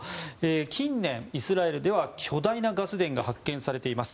近年、イスラエルでは巨大なガス田が発見されています。